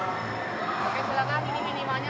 oke silahkan ini minimanya satu ratus tiga puluh